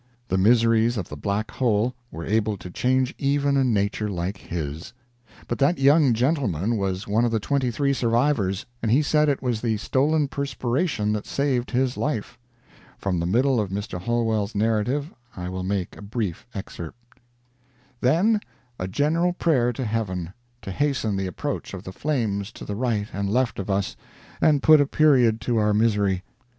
The miseries of the Black Hole were able to change even a nature like his. But that young gentleman was one of the twenty three survivors, and he said it was the stolen perspiration that saved his life. From the middle of Mr. Holwell's narrative I will make a brief excerpt: "Then a general prayer to Heaven, to hasten the approach of the flames to the right and left of us, and put a period to our misery.